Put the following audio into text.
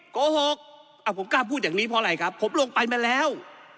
โกหกผมกล้าพูดอย่างนี้เพราะอะไรครับผมลงไปมาแล้ว